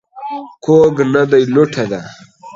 کوږ نه دى ، لوټه ده.